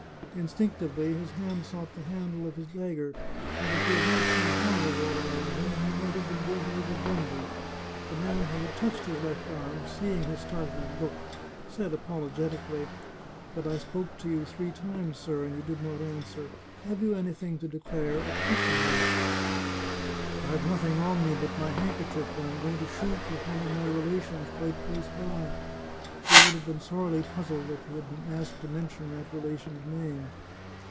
Instinctively his hand sought the handle of his dagger, and if he had not seen houses all round him he might have been guilty of a blunder. The man who had touched his left arm, seeing his startled look, said apologetically: 304 The Chartreuse of Parma " But I spoke to you three times, sir, and you did not answer. Have you anything to declare at the custom house ?"" I've nothing on me but my handkerchief ; I am going to shoot with one of my relations, quite close by." He would have been sorely puzzled if he had been asked to mention that relation's name.